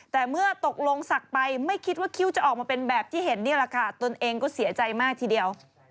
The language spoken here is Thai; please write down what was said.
แต่เมื่อตกลงศักดิ์ไปไม่คิดว่าคิ้วจะออกมาเป็นแบบที่เห็นนี่แหละค่ะตนเองก็เสียใจมากทีเดียว